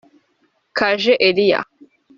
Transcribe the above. Kaje Elia